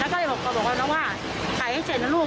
แล้วก็เลยบอกวันนั้นว่าใส่ให้เสร็จนะลูก